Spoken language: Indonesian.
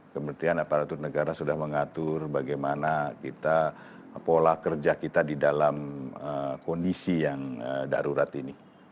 kemudian aparatur negara sudah mengatur bagaimana kita pola kerja kita di dalam kondisi yang darurat ini